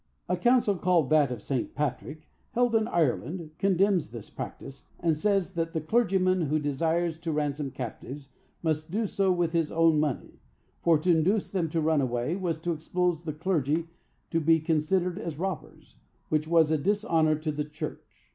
A council called that of St. Patrick, held in Ireland, condemns this practice, and says that the clergyman who desires to ransom captives must do so with his own money, for to induce them to run away was to expose the clergy to be considered as robbers, which was a dishonor to the church.